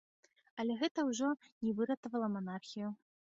Але гэта ўжо не выратавала манархію.